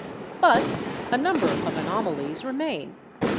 But a number of anomalies remain.